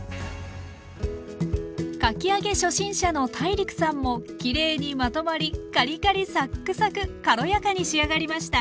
かき揚げ初心者のＴＡＩＲＩＫさんもきれいにまとまりカリカリサックサク軽やかに仕上がりました。